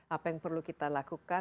apa yang perlu kita lakukan